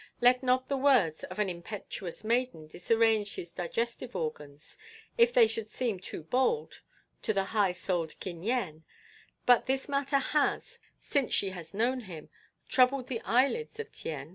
Let not the words of an impetuous maiden disarrange his digestive organs if they should seem too bold to the high souled Kin Yen, but this matter has, since she has known him, troubled the eyelids of Tien.